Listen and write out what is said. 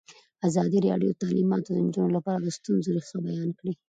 ازادي راډیو د تعلیمات د نجونو لپاره د ستونزو رېښه بیان کړې.